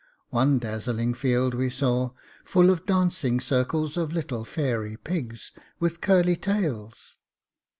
One dazzling field we saw full of dancing circles of little fairy pigs with curly tails.